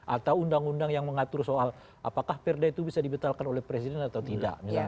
atau undang undang yang mengatur soal apakah perda itu bisa dibatalkan oleh presiden atau tidak